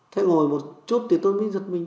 thế ngồi một chút thì tôi mới giật mình